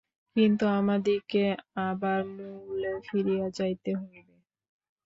কিন্তু আমাদিগকে আবার মূলে ফিরিয়া যাইতে হইবে।